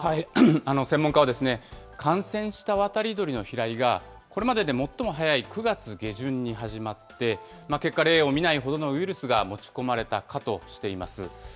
専門家は、感染した渡り鳥の飛来が、これまでで最も早い９月下旬に始まって、結果、例を見ないほどのウイルスが持ち込まれたとしています。